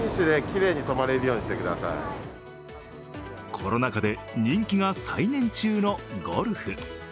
コロナ禍で人気が再燃中のゴルフ。